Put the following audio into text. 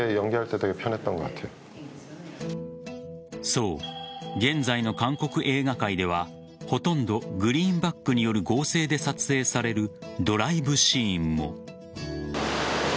そう、現在の韓国映画界ではほとんどグリーンバックによる合成で撮影されるドライブシーンも。